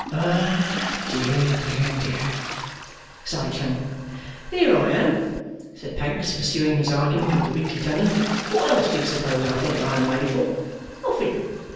'Ah dear, dear, dear!' sighed Clennam. 'Here am I,' said Pancks, pursuing his argument with the weekly tenant. 'What else do you suppose I think I am made for? Nothing.